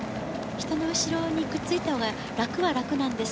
人の後ろにくっついたほうが楽は楽なんです。